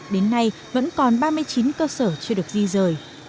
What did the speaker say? đến nay vẫn còn ba mươi chín cơ sở chưa được di rời